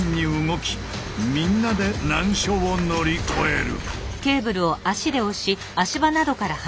みんなで難所を乗り越える。